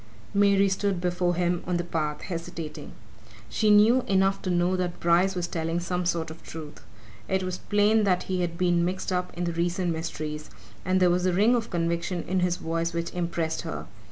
Mary stood before him on the path, hesitating. She knew enough to know that Bryce was telling some sort of truth: it was plain that he had been mixed up in the recent mysteries, and there was a ring of conviction in his voice which impressed her.